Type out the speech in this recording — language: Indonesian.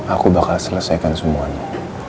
aku bakal selesaikan semua ini